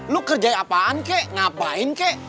lu kerjain apaan kek ngapain kek